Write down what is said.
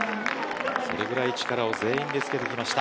それぐらい力を全員でつけてきました。